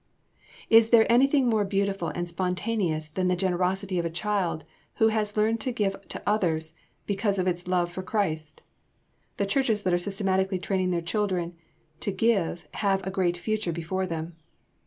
] Is there anything more beautiful and spontaneous than the generosity of a child who has learned to give to others because of its love for Christ? The churches that are systematically training their children to give have a great future before them.